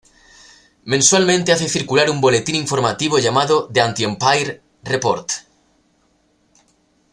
Mensualmente hace circular un boletín informativo llamado "The Anti-Empire Report".